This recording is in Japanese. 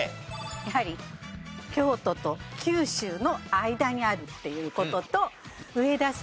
やはり京都と九州の間にあるっていう事と。